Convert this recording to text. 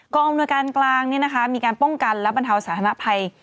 อำนวยการกลางมีการป้องกันและบรรเทาสาธารณภัย